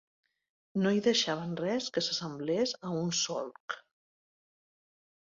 No hi deixaven res que s'assemblés a un solc